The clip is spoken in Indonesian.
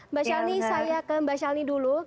mbak shali saya ke mbak shalini dulu